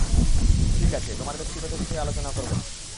ঠিক আছে, তোমার ব্যক্তিগত বিষয়ে আলোচনা করব না।